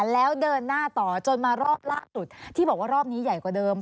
แล้วเดินหน้าต่อจนมารอบล่าสุดที่บอกว่ารอบนี้ใหญ่กว่าเดิม